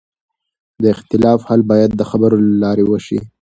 د اختلاف حل باید د خبرو له لارې وشي